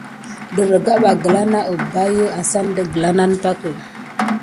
Adərbaga gəla na əbbaʼi assane də daŋla nane pakə.